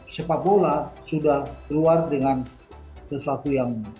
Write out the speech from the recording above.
sepak bola sudah keluar dengan sesuatu yang